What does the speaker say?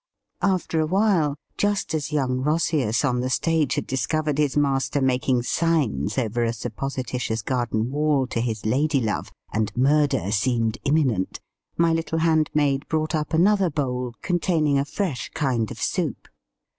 After a while — just as young Eoscius on the stage had discovered his master making signs over a supposititious garden wall to his lady love, and murder seemed imminent — my little handmaid brought up another bowl containing a fresh kind of soup.